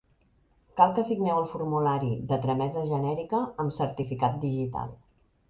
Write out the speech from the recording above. Cal que signeu el formulari de tramesa genèrica amb certificat digital.